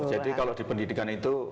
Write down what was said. jadi kalau di pendidikan itu